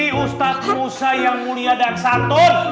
eh ustadz musa yang mulia dan santun